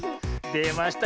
でました。